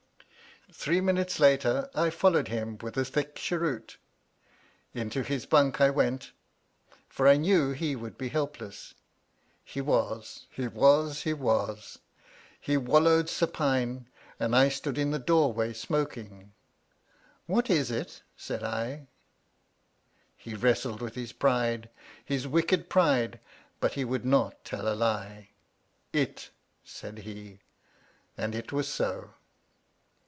Three min utes later I followed him with a thick cheroot. Into his bunk I went, for I knew he would be helpless. He was — ^he was — ^he was. He wal lowed supine, and I stood in the doorway smoking. "What is itr said I. ABAFT THE FUNNEL He wrestled with his pride — ^his wicked pride — ^but he would not tell a lie. '"It," said he. And it was so.